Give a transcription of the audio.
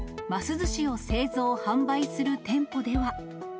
ずしを製造・販売する店舗では。